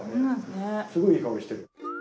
すごいいい香りしてる。